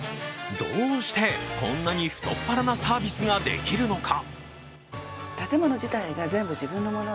どうしてこんなに太っ腹なサービスができるのか。